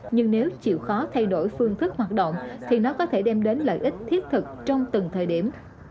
nhưng nếu chịu khó thay đổi phương thức hoạt động thì nó có thể đem đến lợi ích thiết thực trong từng thời điểm